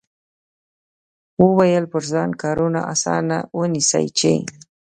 وویل پر ځان کارونه اسانه ونیسئ چې.